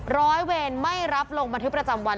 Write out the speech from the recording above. ร้อยเวรไม่รับลงบันทึกประจำวัน